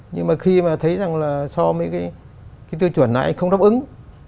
nhưng mà khi mà thấy rằng là so với cái tiêu chuẩn này không đáp ứng